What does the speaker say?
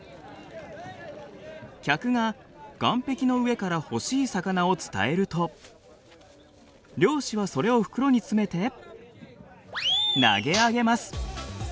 客が岸壁の上から欲しい魚を伝えると漁師はそれを袋に詰めて投げ上げます。